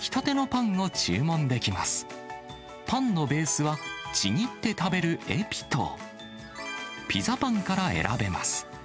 パンのベースは、ちぎって食べるエピと、ピザパンから選べます。